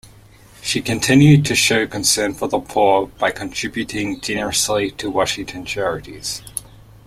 She continued to show concern for the poor by contributing generously to Washington charities.